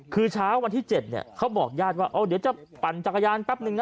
คือเช้าวันที่๗เขาบอกญาติว่าเดี๋ยวจะปั่นจักรยานแป๊บนึงนะ